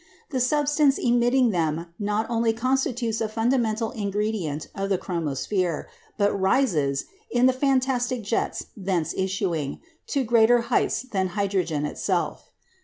The substance emitting them not only constitutes a fundamental ingredient of the chromosphere, but rises, in the fantastic jets thence issuing, to greater heights than hydrogen itself.